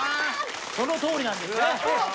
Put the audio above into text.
そのとおりなんですね。